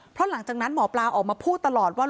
เพราะหลังจากนั้นหมอปลาออกมาพูดตลอดว่า